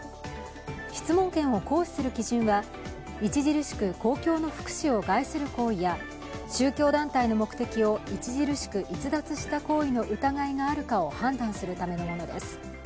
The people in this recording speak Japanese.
質問権を行使する基準は著しく公共の福祉を害する行為や宗教団体の目的を著しく逸脱した行為の疑いがあるかを判断するためのものです。